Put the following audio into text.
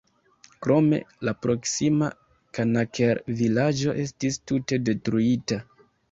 Krome, la proksima Kanaker-vilaĝo estis tute detruita.